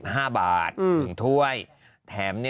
เช็ดแรงไปนี่